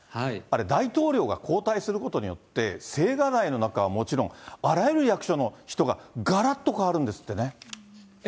あれ、大統領が交代することによって、青瓦台の中はもちろん、あらゆる役所の人ががらっと変わるんですってね。